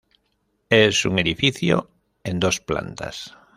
Es un edificio en dos plantas.